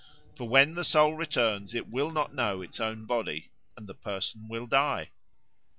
For when the soul returns it will not know its own body, and the person will die.